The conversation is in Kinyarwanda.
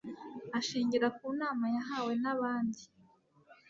ashingira kunama yahawe nabandi